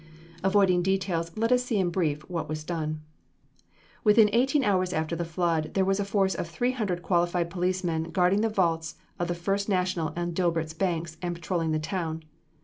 Avoiding details let us see in brief what was done. Within eighteen hours after the flood, there was a force of three hundred qualified policemen guarding the vaults of the First National and Dibert's banks, and patrolling the town.